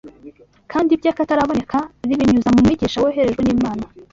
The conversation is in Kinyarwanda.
kandi by’akataraboneka ribinyuza mu Mwigisha woherejwe n’Imana